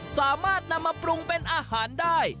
สามารถนำมาปรุงเป็นอาหารได้